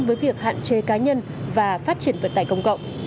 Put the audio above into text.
với việc hạn chế cá nhân và phát triển vận tải công cộng